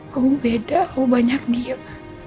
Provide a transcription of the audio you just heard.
kamu beda kamu banyak diam